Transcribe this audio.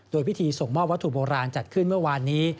โดยพิธีส่งมอบวัตถุโบราณจัดขึ้นเมื่อวานนี้